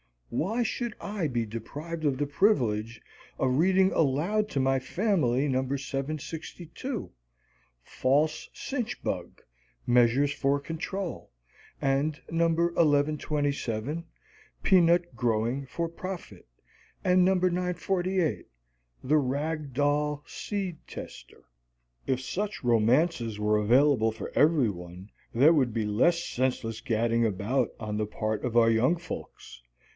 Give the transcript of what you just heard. Why should I be deprived of the privilege of reading aloud to my family No. 762, "False Cinch Bug Measures for Control," and No. 1127, "Peanut Growing for Profit," and No. 948, "The Rag Doll Seed Tester"? If such romances were available for every one there would be less senseless gadding about on the part of our young folks.